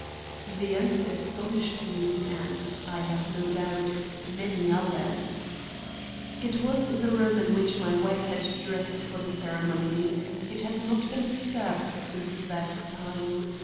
The answer astonished me and, I have no doubt, many others. "It was the room in which my wife had dressed for the ceremony. It had not been disturbed since that time.